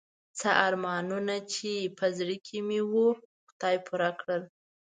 څه ارمانونه چې په زړه کې مې وو خدای پاک پوره کړل.